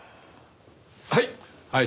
はい。